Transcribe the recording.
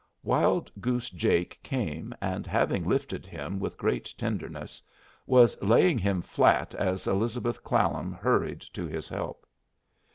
Wild Goose Jake came, and having lifted him with great tenderness, was laying him flat as Elizabeth Clallam hurried to his help.